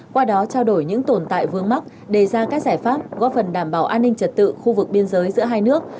qua đó trao đổi những tồn tại vương mắc đề ra các giải pháp góp phần đảm bảo an ninh trật tự khu vực biên giới giữa hai nước